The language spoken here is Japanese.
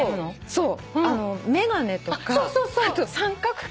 そう。